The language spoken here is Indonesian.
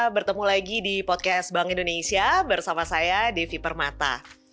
bertemu lagi di podcast bank indonesia bersama saya devi permata